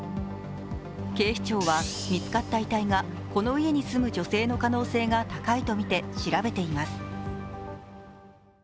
警視庁は見つかった遺体がこの家に住む女性の可能性が高いとみて、調べています